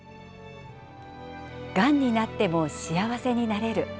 がんになっても幸せになれる。